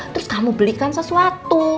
terus kamu belikan sesuatu